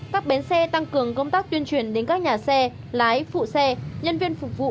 các bến xe tăng cường công tác tuyên truyền đến các nhà xe lái phụ xe nhân viên phục vụ